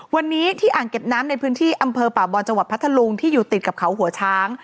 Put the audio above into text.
วันนี้ที่อ่างเก็บน้ำในพื้นที่อำเภอป่าบอลจังหวัดพัทธลุงที่อยู่ติดกับเขาหัวช้าง